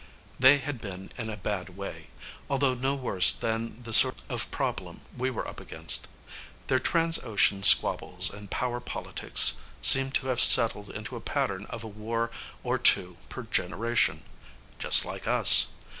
They had been in a bad way, although no worse than the sort of problem we were up against. Their trans ocean squabbles and power politics seemed to have settled into a pattern of a war or two per generation. Just like us.